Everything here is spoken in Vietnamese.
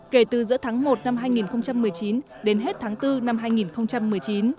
kể từ giữa tháng một năm hai nghìn một mươi chín đến hết tháng bốn năm hai nghìn một mươi chín